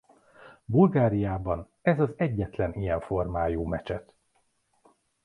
Bulgáriában ez az egyetlen ilyen formájú mecset.